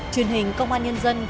truyền hình công an nhân dân